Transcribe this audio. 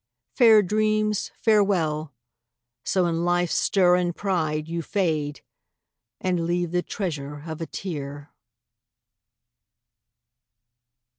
Fair dreams, farewell! So in life's stir and pride You fade, and leave the treasure of a tear!